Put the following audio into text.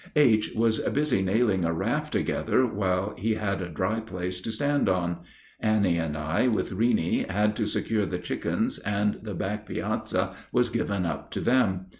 H. was busy nailing a raft together while he had a dry place to stand on. Annie and I, with Reeney, had to secure the chickens, and the back piazza was given up to them.